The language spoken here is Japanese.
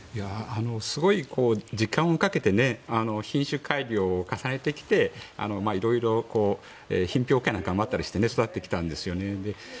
すごい時間をかけて品種改良を重ねてきて色々、品評会なんかもあったりして育ってきたんですよね。